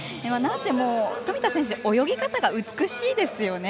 富田選手、泳ぎ方が美しいですよね。